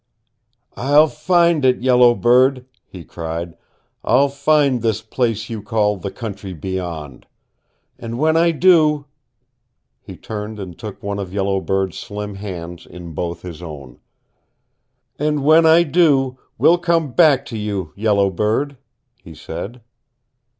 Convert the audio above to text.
"I'll find it, Yellow Bird," he cried. "I'll find this place you call the Country Beyond! And when I do " He turned and took one of Yellow Bird's slim hands in both his own. "And when I do, we'll come back to you, Yellow Bird," he said.